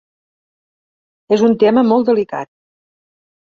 És un tema molt delicat.